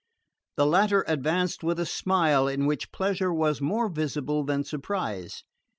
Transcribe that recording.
The latter advanced with a smile in which pleasure was more visible than surprise.